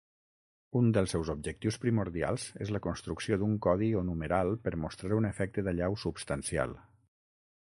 Un dels seus objectius primordials és la construcció d'un codi o numeral per mostrar un efecte d'allau substancial.